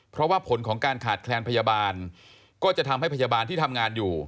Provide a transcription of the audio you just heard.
เพราะว่าผลของการขาดแคลนพยาบาลก็จะทำให้พยาบาลที่ทำงานอยู่